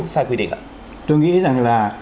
sai quy định ạ tôi nghĩ rằng là